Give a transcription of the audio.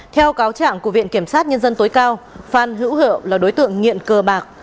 theo cáo trạng của viện kiểm sát nhân dân tối cao phan hữu hiệu là đối tượng nghiện cờ bạc